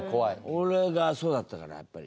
俺がそうだったからやっぱり。